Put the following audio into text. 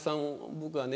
僕はね。